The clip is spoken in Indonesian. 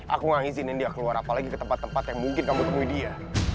aku gak ngizinkan dia keluar apalagi ke tempat tempat yang mungkin kamu temui dia